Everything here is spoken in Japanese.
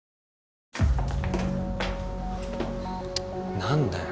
何だよ